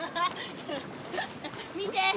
見て。